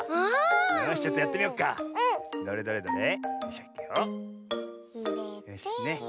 よしちょっとやってみよっか。